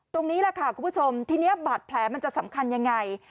ตรงนี้แหละค่ะคุณผู้ชมทีนี้บาดแผลมันจะสำคัญยังไง